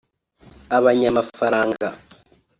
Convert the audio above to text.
abanyamafaranga